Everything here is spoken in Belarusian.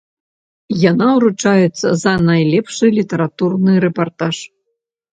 Яна ўручаецца за найлепшы літаратурны рэпартаж.